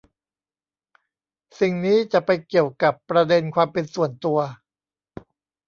สิ่งนี้จะไปเกี่ยวกับประเด็นความเป็นส่วนตัว